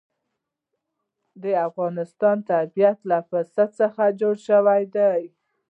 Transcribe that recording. د افغانستان طبیعت له پسه څخه جوړ شوی دی.